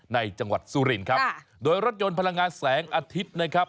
จังหวัดสุรินครับโดยรถยนต์พลังงานแสงอาทิตย์นะครับ